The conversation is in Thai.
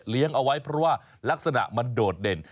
เอาไว้เพราะว่ารักษณะมันโดดเด่น